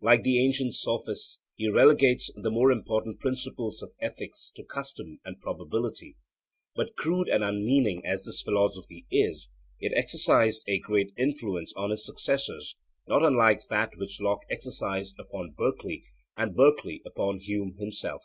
Like the ancient Sophists, he relegates the more important principles of ethics to custom and probability. But crude and unmeaning as this philosophy is, it exercised a great influence on his successors, not unlike that which Locke exercised upon Berkeley and Berkeley upon Hume himself.